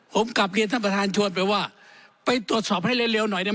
ผมกลับเรียนท่านประธานชวนไปว่าไปตรวจสอบให้เร็วหน่อยเนี่ย